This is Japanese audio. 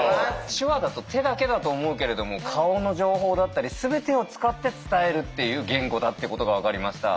手話だと手だけだと思うけれども顔の情報だったり全てを使って伝えるっていう言語だってことが分かりました。